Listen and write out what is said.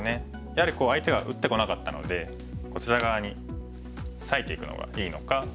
やはり相手が打ってこなかったのでこちら側に裂いていくのがいいのか。